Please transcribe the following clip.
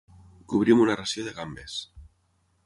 Cobrir amb una ració de gambes.